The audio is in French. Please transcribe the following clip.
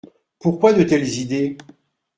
Pourquoi de telles idées ?